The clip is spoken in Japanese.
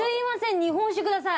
日本酒ください！